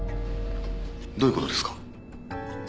どういう事ですか？